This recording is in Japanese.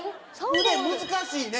腕難しいね。